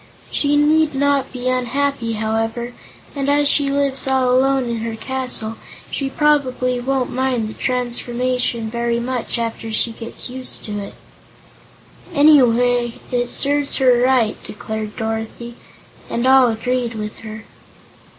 She need not be unhappy, however, and as she lives all alone in her castle she probably won't mind the transformation very much after she gets used to it." "Anyhow, it serves her right," declared Dorothy, and all agreed with her.